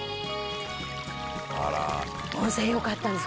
「あら」「温泉よかったです。